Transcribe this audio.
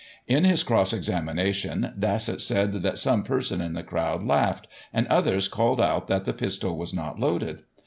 In his cross examination, Dassett said that some person in the crowd laughed, and others called out that the pistol was not loaded.